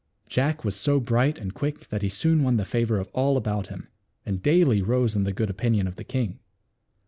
Jack was so bright and quick that he soon won the favor of all about him, and daily rose in the good opinion of the king.